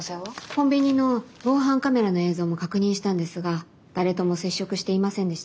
コンビニの防犯カメラの映像も確認したんですが誰とも接触していませんでした。